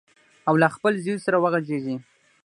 او له خپل زوی سره وغږیږي.